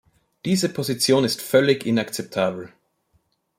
Diese Position ist völlig inakzeptabel!